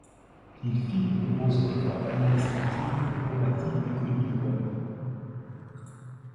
Il fit de nombreuses réformes administratives et rebâtit l'économie du royaume.